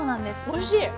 おいしい。